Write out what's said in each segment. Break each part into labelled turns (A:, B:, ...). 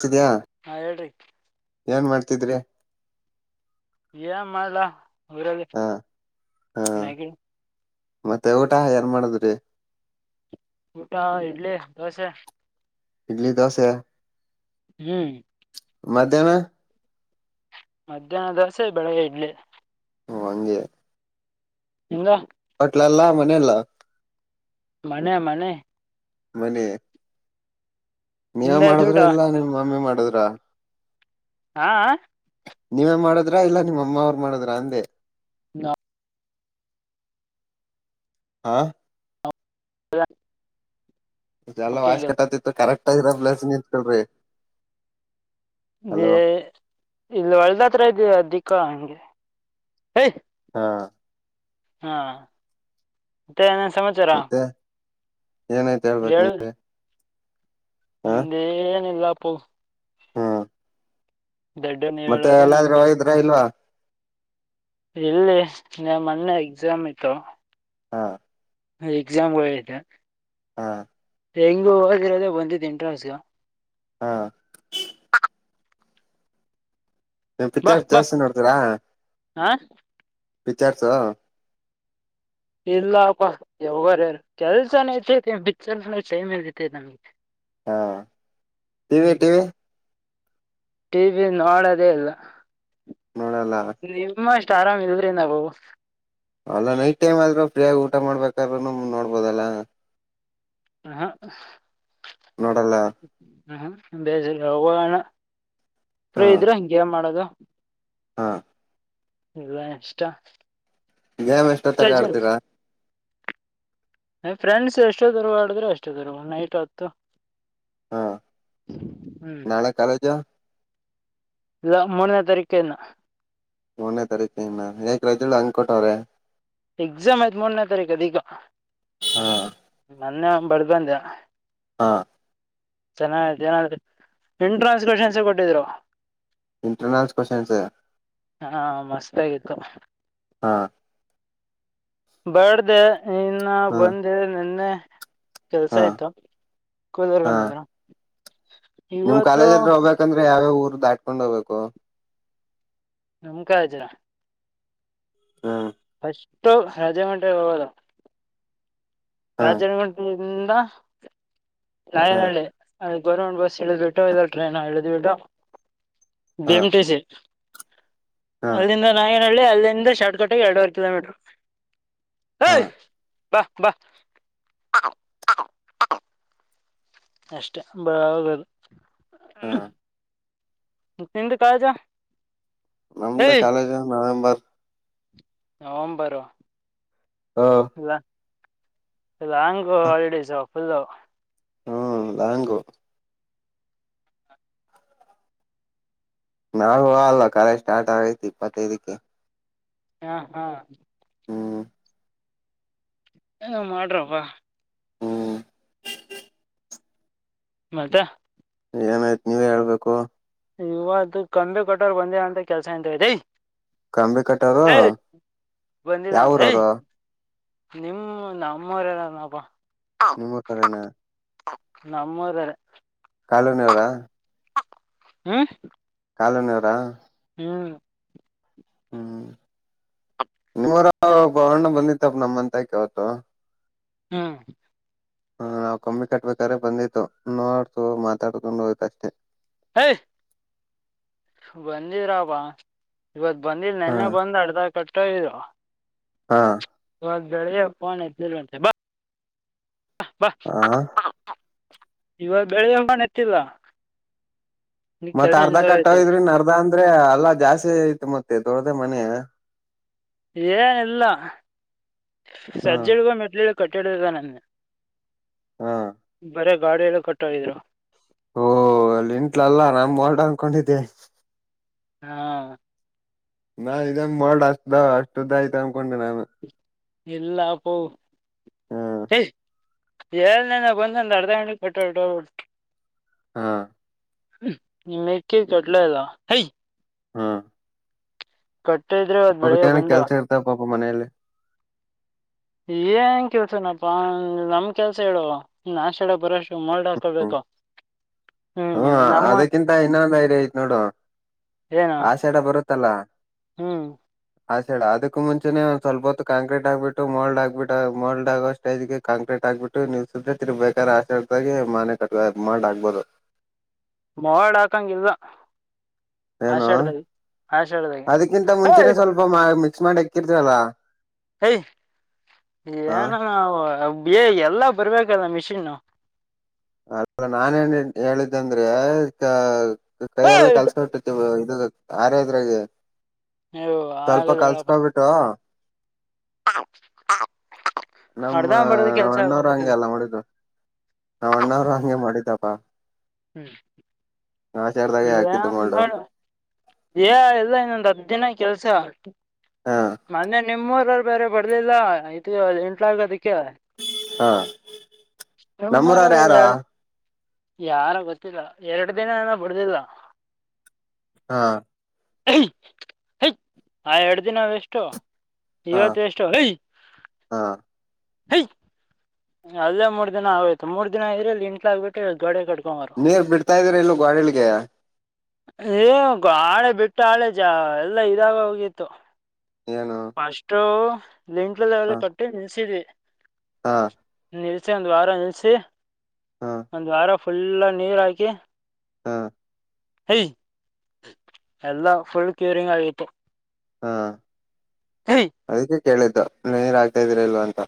A: ತಿದ್ಯಾ
B: ಹಾ ಹೇಳ್ರಿ
A: ಏನ್ ಮಾಡ್ತಿದ್ರಿ
B: ಏನ್ ಮಾಡ್ಲಾ ಊರಲ್ಲಿ
A: ಹ ಹ
B: ಮ್ಯಾಗಿ
A: ಮತ್ತೆ ಊಟ ಏನ್ ಮಾಡದ್ರಿ
B: ಊಟಾ ಇಡ್ಲಿ ದೋಸೆ
A: ಇಡ್ಲಿ ದೋಸೆ
B: ಹ್ಮ್
A: ಮಧ್ಯಾಹ್ನ
B: ಮಧ್ಯಾಹ್ನ ದೋಸೆ, ಬೆಳಗ್ಗೆ ಇಡ್ಲಿ.
A: ಓ ಹಂಗೆ
B: ನಿಂಗ
A: ಟ್ಲಲ್ಲಾ ಮನೇಲ್ಲ
B: ಮನೆ ಮನೆ
A: ಮನೆ ನೀವ
B: ನಿಂದ ಆಯ್ತು
A: ಮಾಡುದ್ರ
B: ಊಟ
A: ಇಲ್ಲ ನಿಮ್ಮ್ ಮಮ್ಮಿ ಮಾಡುದ್ರ
B: ಆ ಆ
A: ನೀವೇ ಮಾಡುದ್ರ ಇಲ್ಲ ನಿಮ್ಮ ಅಮ್ಮ ಅವ್ರ ಮಾಡದ್ರ ಅಂದೆ
B: ನಾ
A: ಆ
B: ಹ
A: ಎಲ್ಲ ವಯರ್ಸ್ ಕಟ್ಟಾಗ್ತಿತ್ತು ಕರೆಕ್ಟ್ ಆಗಿರೋ ಪ್ಲೇಸ್ಗ್ ನಿಂತಕಳ್ರಿ.
B: ಏ ಇಲ್ಲಿ ಹೊಲ್ದತ್ರ ಇದ್ದಿವಿ ಅದಿಕೊ ಹಂಗೆ ಎಯ್
A: ಹಾ
B: ಹಾ ಮತ್ತೆ ಏನೆನ್ ಸಮಾಚಾರಾ
A: ಏನಾಯ್ತ ಹೇಳ್ಬೇಕ್ ನೀವೇ
B: ನಂದೇನಿಲ್ಲಪ್ಪೋ
A: ಹ್ಮ್
B: ನೀವ್
A: ಮತ್ತೆ
B: ಹೇಳೋದು ನನ್
A: ಎಲ್ಲಾದ್ರೂ
B: ಕೈ
A: ಹೋಗಿದ್ರಾ ಇಲ್ವಾ
B: ಇಲ್ಲಿ ನಾ ಮೊನ್ನೆ ಎಕ್ಸಾಮ್ ಇತ್ತು
A: ಹಾ
B: ಎಕ್ಸಾಮ ವೇಟ್.
A: ಹಾ
B: ಹೆಂಗೂ ಓದಿರೋದೆ ಬಂದಿದ್ದ್ ಇಂಟ್ರನ್ಸ್ಗೇ
A: ಹಾ ನ್
B: ಬಾ
A: ಪಿಚ್ಚರ್ಸ್ರ್
B: ಬಾ
A: ಜಾಸ್ತಿ ನೋಡ್ತೀರಾ?
B: ಹಾ
A: ಪಿಚ್ಚರ್ಸಾ
B: ಇಲ್ಲಪ್ಪ ಯಾವ್ಗಾರ ಕೆಲ್ಸನ ಐತಿ ಬಿಚ್ಚಲ್ಸ ಟೖಮ್ ಎಲ್ಲಿತೆ ನಮ್ಗೆ.
A: ಹಾ ಟಿವಿ ಟಿವಿ
B: ಟಿ ವಿ ನೋಡದೇ ಇಲ್ಲ
A: ನೋಡಲ್ಲ
B: ನಿಮ್ಮ ಷ್ ಆರಾಮ್ ಇಲ್ರಿ ನಾವು
A: ಅಲ್ಲ ನೈಟ್ ಟೈಮ್ ಆದ್ರೂ ಫ್ರೀಯಾಗಿ ಊಟ ಮಾಡ್ಬೇಕಾರೂನು ನೋಡ್ಬೋದಲ್ಲ.
B: ಹ
A: ನೋಡಲ್ಲ
B: ಹ ಬೇಜ [unintelligible] ಹೋಗಣ ಫ್ರೀ
A: ಹಾ
B: ಇದ್ರ ಹಂಗೆೇನ್ ಮಾಡೋದು?
A: ಹಾ
B: ಲಯನ್ಸ್ಟಾ [unintelligible]
A: ಗೇಮ್ ಎಷ್ಟೊತ್ತಂಕ ಆಡ್ತೀರಾ?
B: ನಮ್ ಫ್ರೆಂಡ್ಸ್ ಎಷ್ಟೋತ್ತೊರ್ಗೊ ಆಡಿದ್ರೆ ಅಷ್ಟೋತ್ತೊರ್ಗು ನೈಟ್ ಹೊತ್ತು.
A: ಹಾ
B: ಹ್ಮ್
A: ನಾಳೆ ಕಾಲೇಜು
B: ಇಲ್ಲ ಮೂರನೇ ತರಿಕಿನ್ನ
A: ಮೂರನೇ ತರೀಕಿನ್ನ ಯಾಕ್ ರಜ್ಗಳು ಹಂಗ್ಕೊಟವ್ರೆ?
B: ಎಕ್ಸಾಮ್ ಐತ್ ಮೂರ್ನೇ ತಾರೀಕು ಅದಿಕ.
A: ಹಾ
B: ಮೊನ್ನೆ ಅಂಗ್ ಬೆಳ [unintelligible] ಬಂದೆ
A: ಹಾ
B: ಚೆನ್ನ ಏನ [unintelligible] ಎಂಟ್ರಾನ್ಸ್ ಕೊಷನ್ಸೆ ಕೊಟ್ಟಿದ್ರು
A: ಇಂಟರ್ನಲ್ಸ್ ಕ್ವಶನ್ಸ್
B: ಹಾ ಮಸ್ತಾಗಿತ್ತು.
A: ಹಾ
B: ಬೇಡ್ದೆ ಇನ್ನ
A: ಹಾ
B: ಬಂದೆ ನೆನ್ನೆ ಕೆಲ್ಸ
A: ಹಾ
B: ಇತ್ತು ಕೂಲ್ದೋರ್
A: ಹಾ
B: ಬಂದಿದ್ರು.
A: ನಿಮ್
B: ಇವತ್ತು
A: ಕಾಲೇಜ್ ಹತ್ರ ಹೋಗ್ಬೇಕಂದ್ರೆ ಯಾವ್ಯಾವ್ ಊರ್ ದಾಟ್ಕೊಂಡ್ ಹೋಗ್ಬೇಕು?
B: ನಮುಕ [unintelligible]
A: ಹಾ
B: ಫಸ್ಟು ರಜೆ ಮಂಟೆಗ್ ಹೋಗೋದು
A: ಹಾ
B: ರಾಜನಗುಂಟಟ ಮುಃದ
A: ಹಾ
B: ರಾಯನಹಳ್ಳಿ. ಅಲ್ ಗೌರ್ಮೆಂಟ್ ಬಸ್ ಇಳಿದ್ ಬಿಟ್ಟು ಇಲ್ಲ ಟ್ರೈನ್ ಇಳಿದ್ ಬಿಟ್ಟು ಬಿ
A: ಹಾ
B: ಎಂ ಟಿ ಸಿ
A: ಹಾ
B: ಅಲ್ಲಿಂದ ನಾಗೆನಳ್ಳಿ ಅಲ್ಲಿಂದ ಶಾರ್ಟ್ಕಟ್ಗೆ ಎರಡುವರ್ ಕಿಲೋಮೀಟರು.
A: ಹಾ
B: ಹಯ್ ಬ ಬ ಅಷ್ಟೇ
A: ಹಾ
B: [unintelligible] ತಿಿಂದ ಕಾಳಜ [unintelligible]
A: ನಮ್ದ ಕಾಲೇಜ್ ನವೆಂಬರ್
B: ನವೆಂಬರ್ ಅಲ್ಲ ಲಾಂಗ್ ಹಾಲಿಡೇಸ್ ಫುಲ್ಲ.
A: ಹ್ಮ್ ಲಾಂಗು ನಾ ಹೊಲ್ಲಾ ಕಾಲೇಜ್ ಸ್ಟಾರ್ಟ್ ಆಗೖತಿ ಇಪ್ಪತ್ತೖದಿಕ್ಕೆ.
B: ಹಾ ಹಾ
A: ಹ್ಮ್
B: ಏನೋ ಮಾಡ್ರಪ್ಪ
A: ಹ್ಮ್
B: ಮತ್ತೆ
A: ಮತ್ [unintelligible] ನೀವೇ ಹೇಳ್ಬೇಕು.
B: ಇವತ್ತು ಕಂಬಿ ಕೊಟ್ಟೋದ್ ಒಂದೇ ಅಂತ ಕೆಲ್ಸ ಎಂತ ದೇ
A: ಕಂಬಿ ಕಟ್ಟೋರು
B: ಹೇ ಬಂದಿಲ್ಲಂತ್ ಹೆ
A: ಯಾವೂರವ್ರು
B: ನಿಮ ನಮ್ಮರೆಲ್ಲನಪಾ.
A: ನಿಮ್ಮ ಕಡೆನಾ.
B: ನಮ್ಮೂದ್ರ.
A: ಕಾಲೋನವರಾ.
B: ಹ್ಮ
A: ಕಾಲನವರಾ.
B: ಹ್ಮ್
A: ಹ್ಮ್ ನಿಮ್ಮವರ
B: ಅದ್-
A: ಬವಣ್ಣ ಬಂದಿತ್ತು. [unintelligible]
B: ಹ್ಮ
A: ಹ್ಮ ನಾವ್ ಕಮ್ಮಿ ಕಟ್ಬೇಕಾದ್ರೆ ಬಂದಿತು ನೋಡ್ತು ಮಾತಾಡದೋಯ್ತು ಅಷ್ಟೇ.
B: ಯ್ ಬಂದಿರಲ್ಲವಾ ಇವತ್ ಬಂದಿಲ್ಲ
A: ಹಾ
B: ನೆನ್ನೆ ಬಂದ ಅರ್ದ ಕಟ್ಟ ಇರು.
A: ಹಾ
B: ಗ ಪೋನ್ ಎಲಿ ಬ ಬ.
A: ಹ
B: ಇವಾಗ ಬೆಳಿ ಹಕೊಂಡ ಎತ್ತಿಲ್ಲ. ನೀ
A: ಮತ್ತತ್
B: ಕೆಲಸ
A: ಅರ್ಧ ಕಟ್ಟೋ
B: ನಿಂತೋಗೈತದ
A: ಇದ್ರಿ ಅರ್ಧ ಅಂದ್ರೆ ಅಲ್ಲಾ ಜಾಸ್ತಿ ಐತ್ ಮತ್ತೆ ಇದು. ಅದ ಮನೆ.
B: ಏನಿಲ್ಲ
A: ಹಾ
B: ಸಜ್ಜಡ್ಗ ಮೆಟ್ಲಿ ಕಟ್ಟಿಡದ ನನ್ಗೆ.
A: ಹಾ
B: ಬರ ಗಾಡಿ ಎಲ್ಲ ಕಟ್ಟಿದ್ರು.
A: ಓಲ್ಲಿ ಇಂಟ್ಲಲ್ಲ ನಮ್ಮ ಮಾಡಡ್ ಅನ್ಕೊಂಡಿದ್ದೆ.
B: ಹಾ
A: ನಾ ಇದಂಗ ಮಾಡೋ ಅಷ್ಟದ ಅಷ್ಟ್ದ ಆಯ್ತ ಅನ್ಕೊಂಡೆ ನಾನ.
B: ಎಲ್ಲಾಪ್ಪ.
A: ಹ್ಮ್
B: ಎಏಳ್ ನನ ಬಂದೊಂದು ಅರ್ಧ ಗಂಟೆಗೆ ಕಟೋ [unintelligible]
A: ಹಾ
B: [unintelligible]
A: ಹಾ
B: ಕಟ್ಟಿದ್ರೆ ಇವತ್
A: ಅವ್ರ
B: ಬೆಳಿಗ್ಗೆ
A: ನ್
B: ಬಂದು
A: ಕೆಲ್ಸ ಇರ್ತ ಪಾಪ ಮನೆಯಲ್ಲಿ.
B: ಏನ್ ಕೆಲ್ಸನಪಾ ನಮ್ ಕೆಲ್ಸ ಹೇಳುವ ಇ ನಾಶಡ ಬರೋಷ್ಟು ಮರ್ಡ್ ಹಾಕೊಳ್ಬೇಕ.
A: [inaudible] ಹ್ಮ ಅದಕ್ಕಿಂತ ಇನ್ನೊಂದು ಐರಿ ಆಐತ್ ನೋಡು.
B: ಏನು
A: ಆಷಾಡ ಬರುತ್ತಲ್ಲ.
B: ಹ್ಮ್
A: ಹ ಸೇಡ ಅದಕ್ ಮುಚೆ ಒಂದ ಸ್ವಲ್ ಹೊತ್ತು ಕಾಂಕ್ರೀಟ್ ಆಬಿಟ್ಟ ಮೋಲ್ಡ್ ಆಗ್ ಬಿಟ್ಟ ಮೋಲ್ಡ್ ಆಗೋಷ್ಟೇ ಕಾಂಕ್ರೀಟ್. ಹಾಕ್ಬಿಟ್ಟು ನೀಸುುತ್ತ ತಿರ್ಬೇಕಾದ್ರೆ ಆಶಗಿ ಮನೆ ಕ ಮಾಡ ಹಾಕ್ಬೋದು.
B: ಮೋಡ್ ಹಾಕಂಗಲ್ದ.
A: ಏನು
B: ಆಷಾಢದಾಗ
A: ಅದಕ್ಕಿಂತ ಮುಂಚೆನೆ
B: ಏಯ್
A: ಸ್ವಲ್ಪ ಮಾ ಮಿಕ್ಸ್ ಮಾಡಿ ಎಕ್ಕಿರ್ತವಲ್ಲಾ.
B: ಯ ಏನು ಏ ಎಲ್ಲ ಬರ್ಬೇಕಲ್ಲ ಮಿಷಿನ್
A: ಅಲ್ಲ ನಾನೇನ್ ಹೇಳಿದ್ದಂದ್ರೆ ಕೈಯ ಎಲ್ಲ
B: ಏಯ್!
A: ಕಲ್ಸಟ್ಟತಿ ಇ ಆರದ್ರಾಗ
B: ಅಯ್ಯೋ
A: ಸ್ವಲ್ಪ
B: ಆಗಲ್ಲ ಹೇಳಪ್ಪ
A: ಕಲ್ಸ್ಕೊ್ಬಿಟ್ಟು.
B: [unintelligible]
A: ನಮ್ಮ
B: ಅರ್ಧ ಬರ್ದ ಕೆಲ್ಸ
A: ಒ್ಣವ್ರ ಹಂಗೆ
B: ಆಗ್ಬೇಕಲ್ಲ
A: ಅಲ್ಲ ಉಡಿದು. ನಾವ ಅಣ್ಣ್ರ ಹಂಗೆ ಮಾಡಿದ್ದಪ್ಪ.
B: ಹ್ಮ್
A: ಹಾಕಿದ್ದು ಮೋಲ್ಡು
B: [unintelligible] ಇಲ್ಲ ಇನ್ನೊಂದು್ ಹದ ದಿನ ಕೆಲ್ಸ
A: ಹ
B: ಆ ಮೆ ನಿಮ್ಮೂರ ಬೇರೆ ಬರ್ಲಿಲ್ಲ ಆಯ್ ಎಂಟ್ ಆ ಅದಕ್ಕೆ. ಕವ
A: ಹ
B: ಎಮ್ಮರ
A: ನಮ್ಮೂರವ್ರ ಯಾರು
B: ರಾರ. ಯಾರ ಗೊತ್ತಿಲ್ಲ ಎರಡು ದಿನ ನಾನ ಬಿಡ್ದಲ್ವಾ.
A: ಹಾ
B: ಆ ಎರಡು ದಿನ ಎಷ್ಟು
A: ಹ
B: ಇವತಷ್ಟ ಹ
A: ಹ
B: ಹ ಅಲ್ಲೇ ಮೂರ್ ದಿನ ಆಯತ ಮೂರ್ ದಿನ ಇದ್ರೆಲ್ಲಿ ಇಂಟ್ಲ ಆಗ್ಬಟ್ಟ ಗಡೆ ಕಡು
A: ನೀರ್ ಬಿಡ್ತಾ ಇದ್ರ ಇಲ್ಲ ಗಾಡಿಲ್ಗೆ
B: ಏ ಆಾಳೆ ಬಿಟ್ಟು ಆಳೆ ಜ ಎಲ್ಲ ಇದಾಗ ಹೋಗಿತ್ತು
A: ಏನು
B: ಫಸ್ಲಂಟ್ವೆಲ್ ಕಟ್ಟಿ ನಿಲ್ಸಿದವಿ
A: ಹಾ
B: ಹಚ್ಚೆ ಒಂದ್ ವಾರ ನಿಲ್ಸಿ
A: ಹ
B: ಒಂದ್ ವಾರ ಫುಲ್ ನೀರ್ ಹಾಕಿ
A: ಹಾ
B: ಯ ಎಲ್ಲಾ ಫುಲ್ ಕ್ಯೂರಿಂಗ್ ಆಗಿತ್ತು
A: ಹಾ
B: ಹೈ
A: ಅದಕ್ಕೆ ಕೇಳಿದ್ದು ನೀ ನೀರ ಆಗ್ತಾ ಇದೀರಿಲ್ವಾ ಅಂತ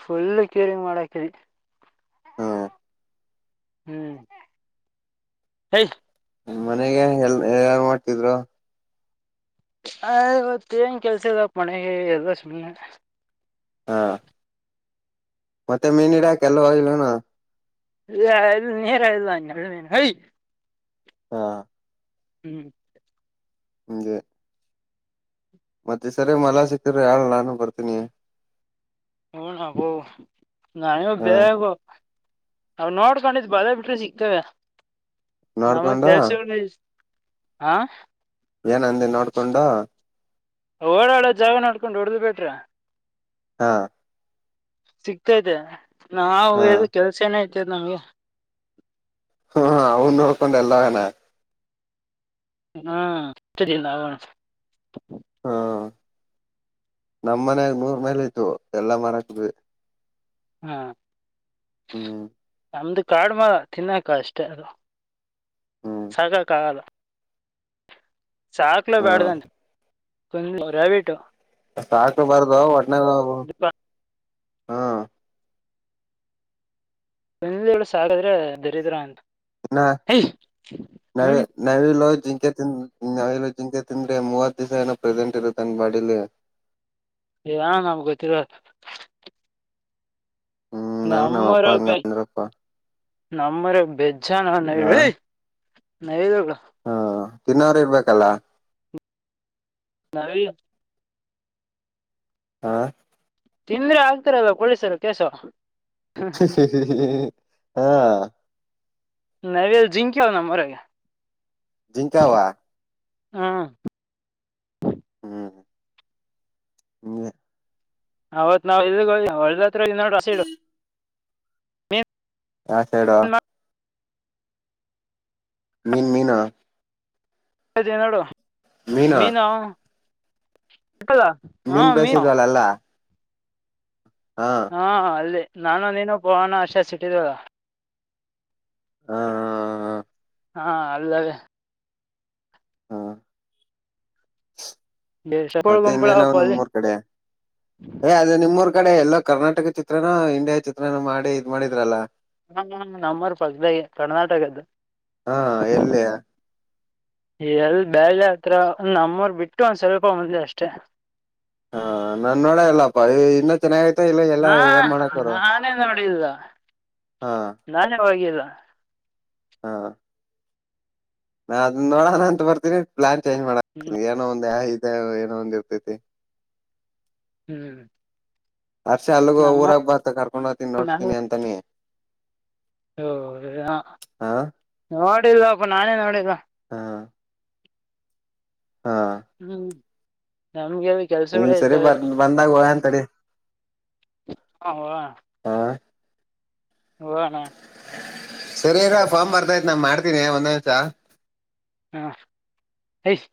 B: ಫುಲ್ಲು ಕ್ಯರಿ ಮಾಡಾಕಿ
A: ಹ್ಮ್
B: ಹ್ಮ್ ಸ
A: ಮನೆಗೆ ಎಲ್ ಯಾಗ ಮಾಡ್ತಿದ್ರು
B: ಅವತ್ತ ಏನ್ ಕೆಲ್ಸದ ಮನೆಗೆ ಎ ಸನಿಲ್ಲ
A: ಹಾ ಮತ್ತೆ ಮೀನ ಇಡಾಕೆಲ್ಲ ಇಲ್ಲನಾ
B: ರ ನೀರ ಮೇನು ಹ
A: ಹಾ
B: ಹ್ಮ್
A: ಗೆ ಮತ್ತೆ ಸರಿ ಮಲಾ ಸಿಕ್ಕಿದ ಯಾಳ್ ನಾನು ಬರ್ತೀನಿ
B: ಹ ನಬೋ ನಾನ
A: ಹ
B: ಬೇಬ [unintelligible] ಅವ ನೋಡ್ಕೊಂಡಿದ್ ಬರ ಬಿಟ್ರೆ ಸಿಗ್ತವೆ ನಮಗ್
A: ನೋಡ್ಕೊಂಡು
B: ಕೆಲ್ಸ ಹಾ
A: ಏನ್ ಅಂದೆ ನೋಡ್ಕೊಂಡು
B: ಓಡಾಡೋ ಜಾಗ ನಡ್ಕೊಂಡು ಹೊಡ್ದ್ ಬಿಟ್ರ
A: ಹಾ
B: ಸಿಗ್ತತೆ ನಾವವು
A: ಹ
B: ಹೇಳ ಕೆಲ್ಸ ಏನೇ ಐತದ ನಮ್ಗೆ
A: ಹ ಅವನು ಹೋಡ್ಕೊಂಡ ಎಲ್ಲ ನ
B: ಹ್ಮ ಸರಿಲ್ಲ ಅವಣ
A: ಹಾ ನಮ ಮನಾಗ ನೂರ್ ಮೈಲ್ ಇತ್ತು ಎಲ್ಲಾ ಮರಕದ್ವಿ
B: ಹ್ಮ್
A: ಹ್ಮ್
B: ನಮ್ದು ಕಾಡ್ಮಾರ ತಿನ್ನಕ ಅಷ್ಟೆ ಅದು
A: ಹ್ಮ್
B: ಸಾಕಕ್ ಆಗಲ್ಲ ಸಾಕ್ಲು
A: ಹ್ಮ್
B: ಬ್ಯಾಡ್ದಾನ ರಬಟ್ಟು
A: ಸಾಕಬಾರದು ಒಟ್ನಾಗ ಹಾ
B: ಬೆರಳುಗಳು ಸಾಕಾದ್ರೆ ದರಿದ್ರ ಅಂತ
A: ನ
B: ಹೈ ಹ್ಮ್
A: -ನ- ನವಿಲು ಜಿಂಕೆ ಮುಂದೆ ತಿಂದ್ ಜಿಂಕೆ ಜಿಂಕೆ ತಿಂದ್ರೆ ಮೂವತ್ತು ದಿವಸ ಏನೋ ಪ್ರೆಸೆಂಟ್ ಇಗ್ ಮಾಡಲಿ
B: ಏನ್ನೂ ನಮ್ಗೆ ಗೊತ್ತಿಲ್ಲ
A: ಹ್ಮ್ ನಾನು ನಮ್ಮ ಅಪ್ಪ
B: ನಮ್ಮೂರುಪ
A: ಹಂಗಂದ್ರಪ್ಪ
B: ನಮ್ಮ್ರ ಬೆಜ್ಜಾನ
A: ಹಾ
B: ನೈರಿ ನೈದ
A: ತಿನ್ನೋರು ಇರ್ಬೇಕಲ್ಲ
B: ನಾವ
A: ಹಾ
B: ತಿಂದ್ರೆ ಆಗ್ತಾರಲ್ಲ ಪೊಲೀಸರು ಕಸ
A: ಹ ಹ ಹ ಹಾ
B: ನವಲ್ ಜಿಂಕಿಯ ನ ಮರ
A: ಜಿಂಕಾವ
B: ಹಾಂ
A: ಹ್ಮ್ಂ ಇಂಗ್ಗ್
B: ಅವತ್ ನಾವ್ ಏಲ್ಒಳ್ಳದತ್ರ -ಇ -ನೋಡು ಆಸಿಡ್
A: ಯಾ- ಸೈಡು ಮೀನ್ -ಮೀನಾ
B: ಅದೇ ನೋಡು ಮೀನು ಸಿಕ್ಕಲ್ಲ ಹಾ
A: ಮೀನ್
B: ಮೀನು
A: ಬಸ್ರದಳ್ಲ
B: ಹಾ -ಅಲ್ಲಿ ನಾನು ನೀನು ಪೋವಾನ ಆಶೆ ಸಿಟ್ಟಿದಳ
A: ಹಾ -ಹಾ- ಹಾ -ಹಾ
B: ಹಾ -ಹ್-ಅಲ್ಲದೆ
A: ಹಾ
B: ಗುಂಪಳ
A: ಇನ್ನೇನಾವ್
B: ಗುಂಪಳವಪ್ಪ ಅಲ್ಲಿ
A: ನಿಮ್ಮೂರ್ ಕಡೆ -ಏ- ಅದೇ ನಿಮ್ಮೂರ್ -ಕ್ ಈ- ಕಡೆ ಎಲ್ಲ ಕರ್ನಾಟಕ ಚಿತ್ರನ ಇಂಡಿಯಾ ಚಿತ್ರನ ಮಾಡಿ ಇದ್ ಮಾಡಿದ್ರಲ್ಲ
B: ನಮ್ -ನಮ್ -ನಮ್ಮೂರ ಪಕ್ಕದಾಗಿಂದ್ದು ಕರ್ನಾಟಕದ್ದು
A: ಹಾ ಎಲ್ಲಿ
B: ಎಲ್ ಬ್ಯಾಲ್ ಹತ್ರ -ಒ -ನಮ್ಮೂರ್ ಬಿಟ್ಟು ಒಂದ್ ಸ್ವಲ್ಪ ಮುಂದ್ ಅಷ್ಟೆ.
A: ಹ- ನಾನ್ ನೋಡೇ ಇಲ್ಲಪ್ಪ ಇನ್ನ ಚೆನ್ನಾಗಿ
B: ಹಾ- ನಾನೇ ನೋಡಿಲ್ಲ
A: ಹಾ
B: ನಾನೇ ಹೋಗಿದ್ದ
A: ಹಾ ನಾ- ಅದನ್ನ ನೋಡೋಣ ಅಂತ ಬರ್ತೀನಿ ಪ್ಲಾನ್ ಚೇಂಜ್ ಮಾಡತನಿ ಏನೋ ಒಂದ -ಯ ಇದೆ ಏನೋ ಒಂದ್ ಇರ್ತೈತಿ. [inaudible]
B: ಹ್ಮ್
A: ಅರ್ಷೆ ಅಲ್ಗ
B: ನಮ್ಮ
A: ಊರಾಗ ಬತ ಕರ್ಕೊಂಡು ಹೋಗತಿ ನೋಡಸ್ತೀನಿ ಅಂತಾನೆ.
B: ಹೌ-ಏ- ನೋಡಿಲ್ವಾ ಅಪ್ಪ ನಾನೇ ನೋಡಿಲ್ವಾ.
A: ಹಾ ಹಾ
B: ಹ್ಮ್ಂ - ನಮ್ಗೆ
A: ಈ
B: ಕೆಲ್ಸಗಳೇ
A: ಸರಿ
B: ಇರ್ತಾವೆ.
A: ಬರ್ ಬಂದಾಗ ಹೋಗಂತಡಿ
B: ಹ-ವ್
A: ಹಾ
B: ವಗ್ಗೂಣ
A: ಸರಿರಾ ಫಾರ್ಮ್ ಬರ್ತಯ್ತ್ -ನಾ- ಮಾಡ್ತೀನಿ ಒಂದೇ ನಿಮಿಷ.
B: ಹಾ- ಹೇಸ್